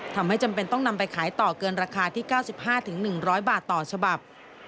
จำเป็นต้องนำไปขายต่อเกินราคาที่๙๕๑๐๐บาทต่อฉบับ